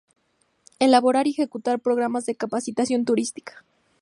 Elaborar y ejecutar programas de capacitación turística.